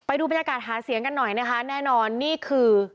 ไปดูบรรยากาศหาเสียงกันหน่อยนะคะแน่นอนนี่คือ